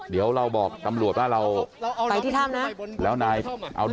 เดี๋ยวเราบอกตำรวจว่าเรา